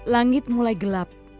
langit mulai gelap